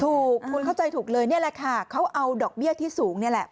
ถูกคุณเข้าใจถูกเลยนี่แหละค่ะเขาเอาดอกเบี้ยที่สูงนี่แหละ